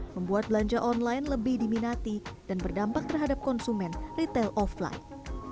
membuat belanja online lebih diminati dan berdampak terhadap konsumen retail offline